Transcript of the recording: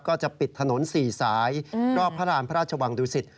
ก็จะปิดถนน๔สายรอบพระราณพระราชวังดุสิต